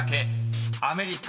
［「アメリカ」